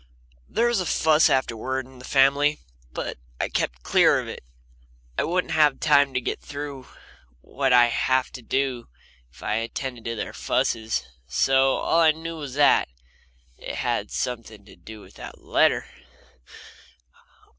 There was a fuss afterward in the family, but I kept clear of it. I wouldn't have time to get through what I have to do if I attended to their fusses, so all I knew was that it had something to do with that letter.